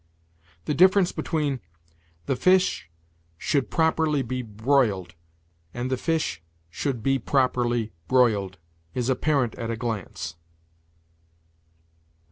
The difference between "The fish should properly be broiled" and "The fish should be properly broiled" is apparent at a glance.